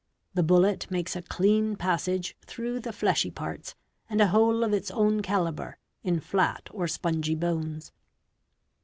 The bullet makes a clean passage through the fleshy parts and a hole of its own calibre in flat or spongy bones.